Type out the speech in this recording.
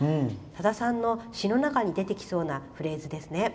さださんの詞の中に出てきそうなフレーズですね」。